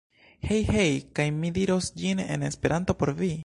Hej! Hej! Kaj mi diros ĝin en esperanto por vi.